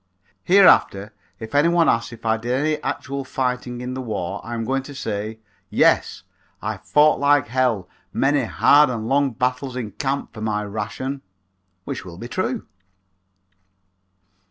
Hereafter if any one asks if I did any actual fighting in this war I am going to say, "Yes, I fought like hell many hard and long battles in camp for my ration," which will be true.